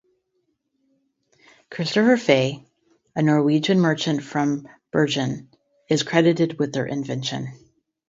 Christopher Faye, a Norwegian merchant from Bergen, is credited with their invention.